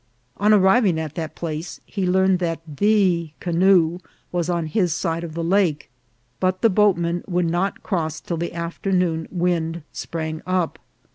On arriving at that place he learned that the canoe was on his side of the lake, but the boatmen would not cross till the afternoon wind sprang up.